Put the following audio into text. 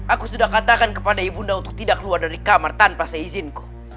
aku sudah katakan kepada ibu nda untuk tidak keluar dari kamar tanpa izinku